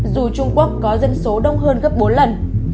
dù trung quốc có dân số đông hơn gấp bốn lần